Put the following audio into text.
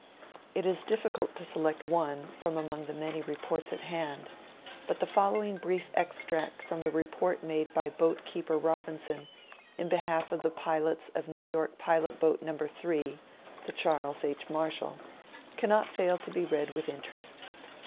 It is difficult to select one from among the many reports at hand, but the following brief extract from the report made by boat keeper Robinson, in behalf of the pilots of New York pilot boat No. 3 (the "Charles H. Marshall"), can not fail to be read with interest.